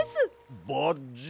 バッジ？